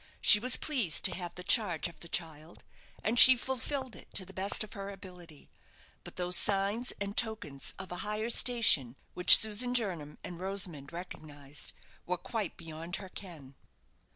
She was pleased to have the charge of the child, and she fulfilled it to the best of her ability; but those signs and tokens of a higher station, which Susan Jernam and Rosamond recognized, were quite beyond her ken.